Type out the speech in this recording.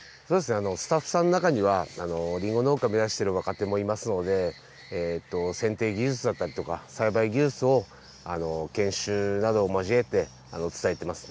スタッフさんの中にはりんご農家を目指している若手もいますので、せんてい技術だったりとか、栽培技術を研修などを交えて伝えていますね。